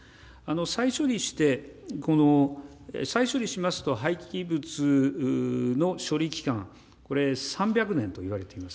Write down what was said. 再処理して、再処理しますと、廃棄物の処理期間、これ、３００年と言われています。